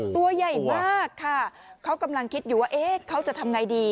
ตัวใหญ่มากค่ะเขากำลังคิดอยู่ว่าเอ๊ะเขาจะทำไงดี